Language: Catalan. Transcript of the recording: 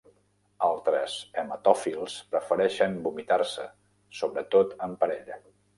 Altres emetòfils prefereixen vomitar-se, sobretot en parella.